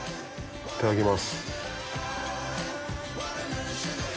いただきます。